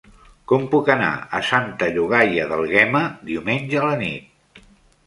Com puc anar a Santa Llogaia d'Àlguema diumenge a la nit?